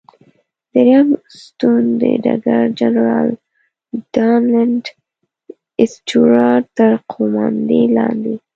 دریم ستون د ډګر جنرال ډانلډ سټیوارټ تر قوماندې لاندې.